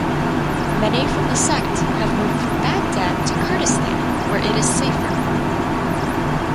Many from the sect have moved from Baghdad to Kurdistan where it is safer.